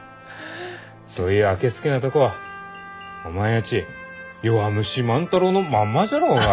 そういうあけすけなとこはおまんやち弱虫万太郎のまんまじゃろうが！